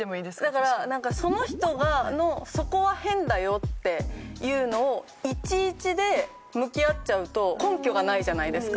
だからその人のそこは変だよっていうのを１１で向き合っちゃうと根拠がないじゃないですか。